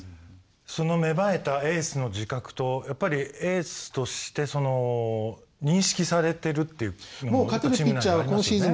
その芽生えたエースの自覚とやっぱりエースとして認識されてるっていうのもチーム内でもありますよね。